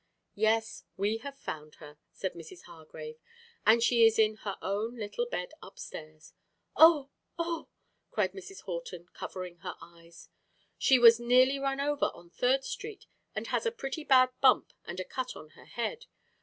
"Yes, we have found her," said Mrs. Hargrave, "and she is in her own little bed upstairs." "Oh, oh!" cried Mrs. Horton, covering her eyes. "She was nearly run over on Third Street, and has a pretty bad bump and a cut on her head.